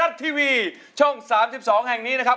สวัสดีค่ะ